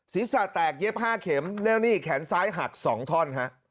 ศีรษะแตกเย็บ๕เข็มแล้วนี่แขนซ้ายหัก๒ท่อนฮะ